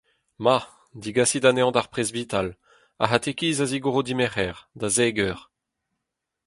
Ma ! digasit anezhañ d’ar presbital, ar c’hatekiz a zigoro dimerc’her, da zek eur…